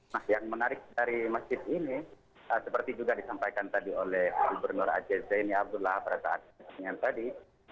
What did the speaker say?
nah yang menarik dari masjid ini seperti juga disampaikan tadi oleh gubernur aceh zaini abdullah pada saat ini